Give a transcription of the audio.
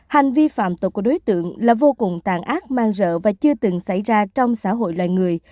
hành vi phạm tội của đối tượng là vô cùng tàn ác man rợ và chưa từng xảy ra trong xã hội loài người